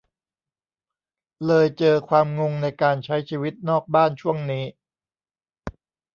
เลยเจอความงงในการใช้ชีวิตนอกบ้านช่วงนี้